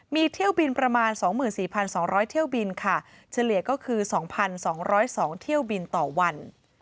มีเที่ยวบินประมาณ๒๔๒๐๐เที่ยวบินค่ะเฉลี่ยก็คือ๒๒๐๒เที่ยวบินต่อวัน